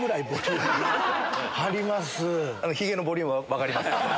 ヒゲのボリュームは分かります